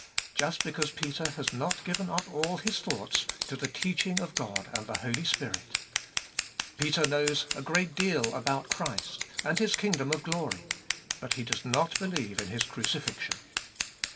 Just because Peter has not given up all his thoughts to the teaching of God and the Holy Spirit. Peter knows a great deal about Christ and his kingdom of glory but he does not believe in His crucifixion.